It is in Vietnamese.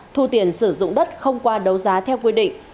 thu tiền sử dụng đất không qua đấu giá theo quy định